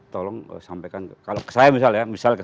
tolong sampaikan kalau ke saya misalnya ya